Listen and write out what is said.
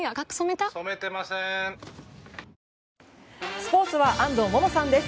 スポーツは安藤萌々さんです。